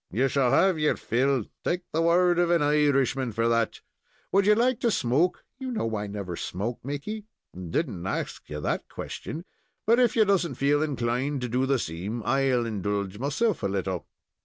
"Ye shall have your fill; take the word of an Irishman for that. Would you like to smoke?" "You know I never smoke, Mickey." "I did n't ax ye that question, but if ye doesn't feel inclined to do the same, I'll indulge myself a little."